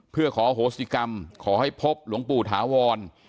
เพื่อขอโหสิกรรมขอให้พบหลวงปู่ถาวร